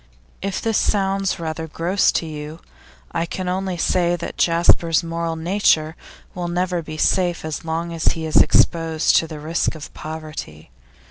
If this sounds rather gross to you, I can only say that Jasper's moral nature will never be safe as long as he is exposed to the risks of poverty.